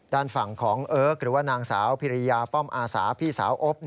ด้านฝั่งของเอิร์กหรือว่านางสาวพิริยาป้อมอาสาพี่สาวอบ